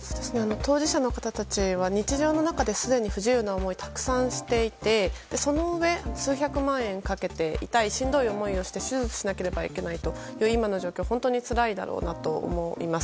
当事者の方たちは日常の中ですでに不自由な思いをたくさんしていてそのうえ、数百万円かけて痛い、しんどい手術しなければいけないという今の状況は本当につらいだろうなと思います。